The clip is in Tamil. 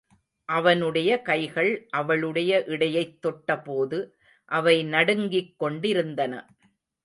அவனுடைய கைகள் அவளுடைய இடையைத் தொட்ட போது, அவை நடுங்கிக் கொண்டிருந்தன.